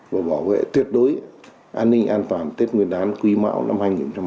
và bảo vệ tuyệt đối an ninh an toàn tết nguyên đán quý mạo năm hai nghìn hai mươi